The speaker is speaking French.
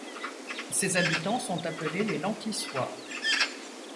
Ses habitants sont appelés les Lantyçois.